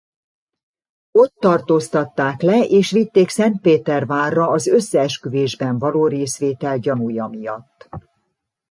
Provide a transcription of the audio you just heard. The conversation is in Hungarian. Ott tartóztatták le és vitték Szentpétervárra az összeesküvésben való részvétel gyanúja miatt.